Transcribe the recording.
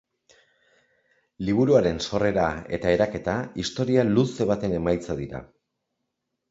Liburuaren sorrera eta eraketa historia luze baten emaitza dira.